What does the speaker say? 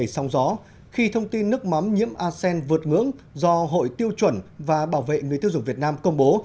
sóng gió khi thông tin nước mắm nhiễm asean vượt ngưỡng do hội tiêu chuẩn và bảo vệ người tiêu dùng việt nam công bố